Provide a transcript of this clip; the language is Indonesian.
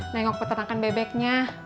nengok peternakan bebeknya